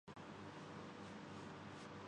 میرے سیاسی شعور کی پیدائش